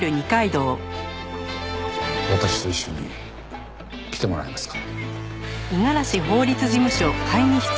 私と一緒に来てもらえますか。